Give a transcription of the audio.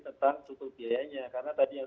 tentang struktur biayanya karena tadi yang